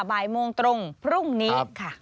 บ่ายโมงตรงพรุ่งนี้ค่ะ